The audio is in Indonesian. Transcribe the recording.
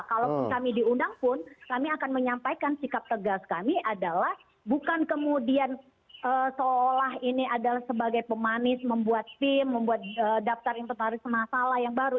kalaupun kami diundang pun kami akan menyampaikan sikap tegas kami adalah bukan kemudian seolah ini adalah sebagai pemanis membuat tim membuat daftar inventaris masalah yang baru